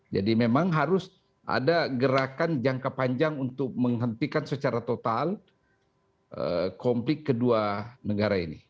jadi memang harus ada gerakan jangka panjang untuk menghentikan secara total konflik kedua negara ini